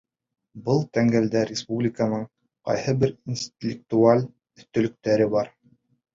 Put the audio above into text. Был тәңгәлдә республиканың ҡайһы бер интеллектуаль өҫтөнлөктәре бар.